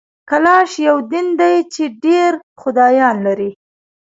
کلاش یو دین دی چي ډېر خدایان لري